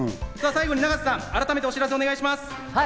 最後に永瀬さん、改めてお知らせお願いします。